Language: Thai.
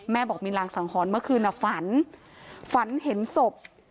แม่บอกมีรางสังฮรเมื่อคืนฝันเห็นศพ